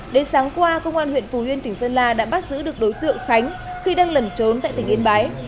đến sáng qua công an huyện phù yên tỉnh sơn la đã bắt giữ được đối tượng khánh khi đang lẩn trốn tại tỉnh yên bái